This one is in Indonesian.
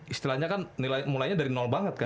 istilahnya kan mulainya dari nol banget kan